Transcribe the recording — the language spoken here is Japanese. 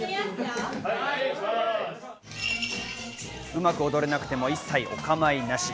うまく踊れなくても一切お構いなし。